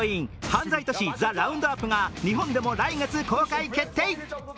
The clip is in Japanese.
「犯罪都市ＴＨＥＲＯＵＮＤＵＰ」が日本でも来月公開決定。